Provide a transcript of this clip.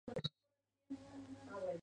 Era primo de Dianne Reeves.